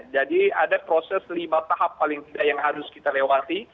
jadi ada proses lima tahap paling tidak yang harus kita lewati